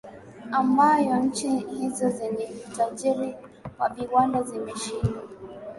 ambayo nchi hizo zenye utajiri wa viwanda zimeshindwa